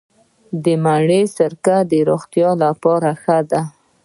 د مڼې سرکه د روغتیا لپاره ښه ده.